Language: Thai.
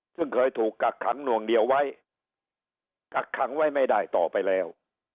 ซึ่งเคยถูกกักขังหน่วงเหนียวไว้กักขังไว้ไม่ได้ต่อไปแล้ว